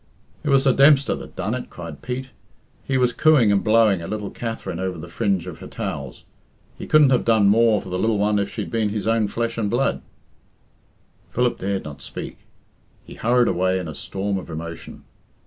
"It was the Dempster that done it," cried Pete. He was cooing and blowing at little Katherine over the fringe of her towels. "He couldn't have done more for the lil one if she'd been his own flesh and blood." Philip dared not speak. He hurried away in a storm of emotion.